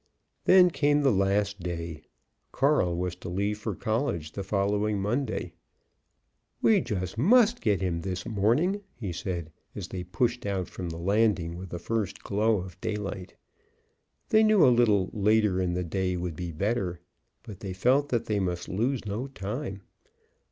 Then came the last day. Carl was to leave for college the following Monday. "We just must get him this morning!" he said, as they pushed out from the landing with the first glow of daylight. They knew a little later in the day would be better, but they felt that they must lose no time.